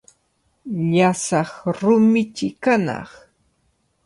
Llasaq rumichi kanaq.